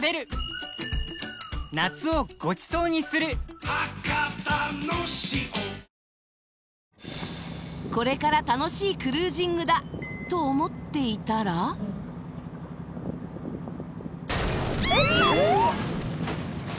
ニトリこれから楽しいクルージングだと思っていたらあっ！